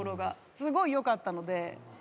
すごいよかったので。